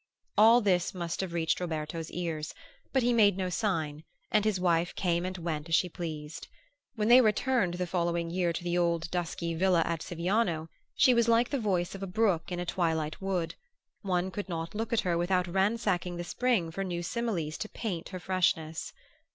All this must have reached Roberto's ears; but he made no sign and his wife came and went as she pleased. When they returned the following year to the old dusky villa at Siviano she was like the voice of a brook in a twilight wood: one could not look at her without ransacking the spring for new similes to paint her freshness.